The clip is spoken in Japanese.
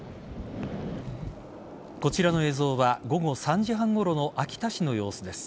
こちらの映像は午後３時半ごろの秋田市の様子です。